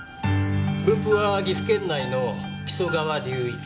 分布は岐阜県内の木曽川流域。